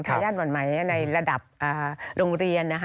ทายาทหม่อนไหมในระดับโรงเรียน